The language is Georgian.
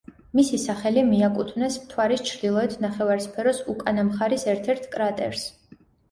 მისი სახელი მიაკუთვნეს მთვარის ჩრდილოეთ ნახევარსფეროს უკანა მხარის ერთ-ერთ კრატერს.